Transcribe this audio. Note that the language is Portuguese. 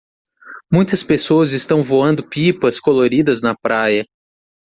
Muitas pessoas estão voando pipas coloridas na praia.